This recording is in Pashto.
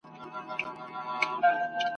پرسکروټو به وروړمه د تڼاکو رباتونه !.